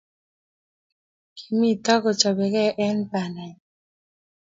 kimito kochabege eng bandanyi